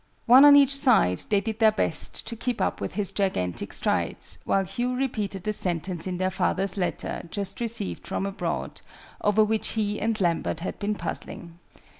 One on each side, they did their best to keep up with his gigantic strides, while Hugh repeated the sentence in their father's letter, just received from abroad, over which he and Lambert had been puzzling.